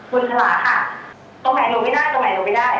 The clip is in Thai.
บุญพลาค่ะตรงอายุหรูไม่ได้